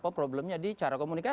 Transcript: oh problemnya di cara komunikasi